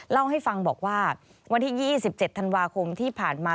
เล่าให้ฟังบอกว่าวันที่๒๗ธันวาคมที่ผ่านมา